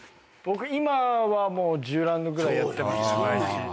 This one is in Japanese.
今は１０ラウンドぐらいやってます毎日。